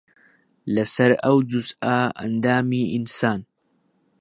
لەسەر ئەو جوزئە ئەندامی ئینسان